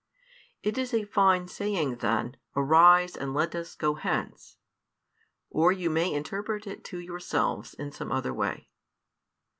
It is a fine saying then, Arise, and let us go hence; or you may interpret it to yourselves in some other way.